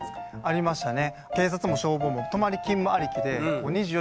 ありましたね。